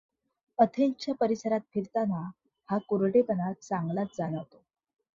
अथेन्सच्या परिसरात फिरताना हा कोरडेपणा चांगलाच जाणवतो.